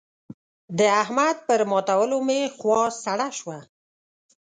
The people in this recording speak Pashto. د احمد پر ماتولو مې خوا سړه شوه.